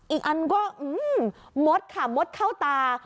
อีกอันก็มดค่ะมดเข้าตา